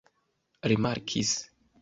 rimarkis